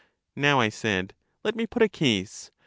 Now, I said, let me put a case.